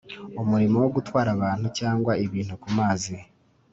umurimo wo gutwara abantu cyangwa ibintu ku mazi